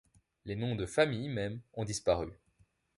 Les noms de famille même ont disparu.